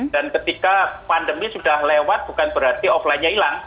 dan ketika pandemi sudah lewat bukan berarti offline nya hilang